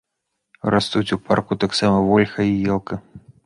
Растуць у парку таксама вольха і елка.